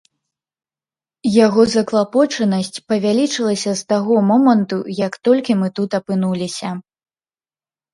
Яго заклапочанасць павялічылася з таго моманту, як толькі мы тут апынуліся.